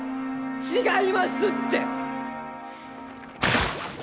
違いますって！